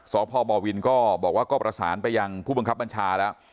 สพบวินก็บอกว่าก็ประสานไปยังผู้บังคับบัญชาแล้ว